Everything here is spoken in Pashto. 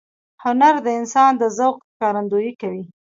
هنر د انسان د ذوق ښکارندویي کوي.